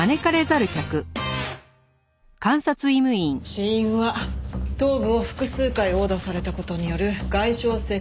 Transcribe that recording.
死因は頭部を複数回殴打された事による外傷性くも膜下出血。